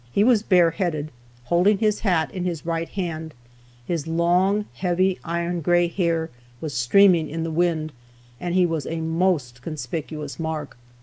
He was bareheaded, holding his hat in his right hand, his long, heavy, iron gray hair was streaming in the wind, and he was a most conspicuous mark.